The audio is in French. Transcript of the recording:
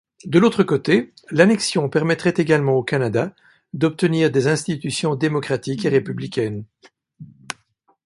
De l'autre côté, l'annexion permettrait également au Canada d'obtenir des institutions démocratiques et républicaines.